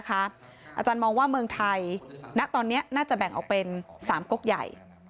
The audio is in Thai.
อาจารย์มองว่าเมืองไทยณตอนนี้น่าจะแบ่งออกเป็น๓กกใหญ่